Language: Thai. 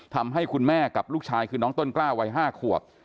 ทำให้คุณแม่กับลูกชายคือน้องต้นกล้าวัย๕ขวบ